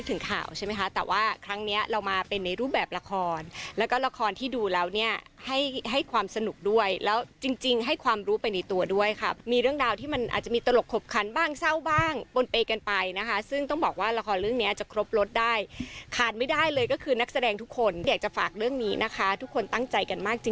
แต่ท้ายที่สุดนะคะเรื่องนี้คนที่ตัดสินใจ